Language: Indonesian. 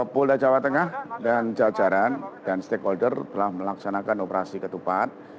polda jawa tengah dan jajaran dan stakeholder telah melaksanakan operasi ketupat